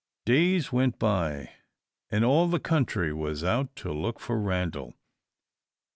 Days went by, and all the country, was out to look for Randal.